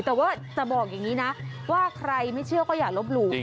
แต่ว่าจะบอกอย่างนี้นะว่าใครไม่เชื่อก็อย่าลบหลู่